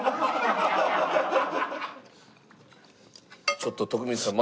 ちょっと徳光さん